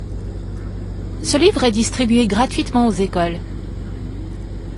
Ce livre est distribué gratuitement aux écoles.